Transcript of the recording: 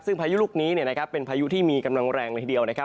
ซึ่งพายุลูกนี้เป็นพายุที่มีกำลังแรงเลยทีเดียวนะครับ